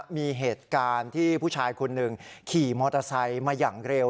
มีเหตุการณ์ที่ผู้ชายคนหนึ่งขี่มอเตอร์ไซค์มาอย่างเร็ว